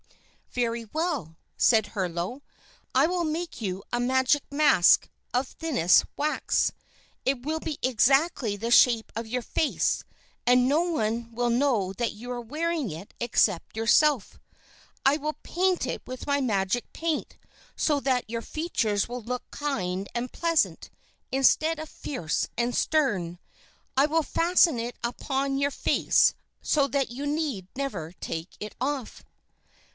"Very well," said Herlo. "I will make you a magic mask of thinnest wax. It will be exactly the shape of your face, and no one will know that you are wearing it except yourself. I will paint it with my magic paint so that your features will look kind and pleasant, instead of fierce and stern. I will fasten it upon your face so that you need never take it off."